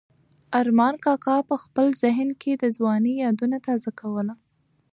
ارمان کاکا په خپل ذهن کې د ځوانۍ یادونه تازه کوله.